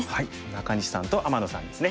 中西さんと天野さんですね。